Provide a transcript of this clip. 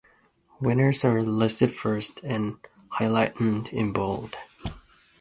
Winners are listed first and highlighted in bold